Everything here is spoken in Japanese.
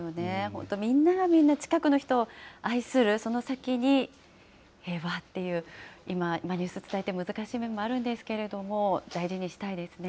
本当、みんながみんな、近くの人を愛する、その先にはっていう、今、ニュース伝えて難しい部分もあるんですけども、大事にしたいです